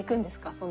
その。